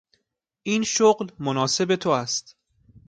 این شغل مناسب تو است!